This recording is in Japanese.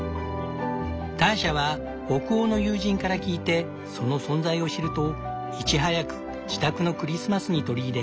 ターシャは北欧の友人から聞いてその存在を知るといち早く自宅のクリスマスに取り入れ